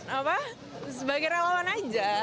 apa sebagai relawan aja